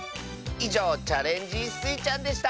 いじょう「チャレンジスイちゃん」でした！